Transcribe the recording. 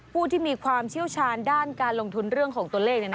ผู้ที่มีความเชี่ยวชาญด้านการลงทุนเรื่องของตัวเลข